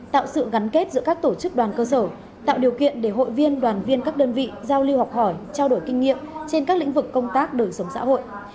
tạo sự gắn kết giữa các tổ chức đoàn cơ sở tạo điều kiện để hội viên đoàn viên các đơn vị giao lưu học hỏi trao đổi kinh nghiệm trên các lĩnh vực công tác đời sống xã hội